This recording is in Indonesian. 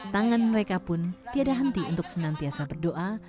tangan mereka pun tiada henti untuk senantiasa berdoa